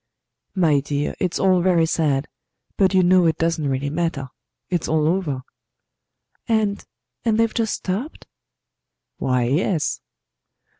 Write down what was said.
"My dear, it's all very sad; but you know it doesn't really matter. It's all over." "And and they've just stopped?" "Why, yes."